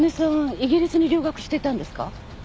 イギリスに留学してたんですか？